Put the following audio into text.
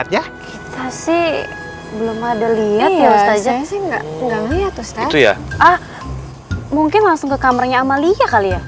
ah mungkin langsung ke kamarnya amalia kali ya